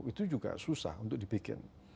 itu juga susah untuk dibikin